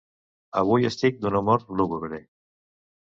Avui estic d'un humor lúgubre.